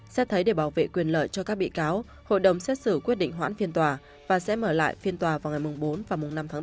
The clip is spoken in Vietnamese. xét thấy để bảo vệ quyền lợi cho các bị cáo hội đồng xét xử quyết định hoãn phiên tòa và sẽ mở lại phiên tòa vào ngày bốn và năm tháng bốn